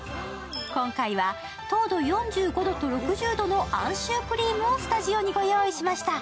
今回は糖度４５度と６０度のあんシュークリームをスタジオにご用意しました。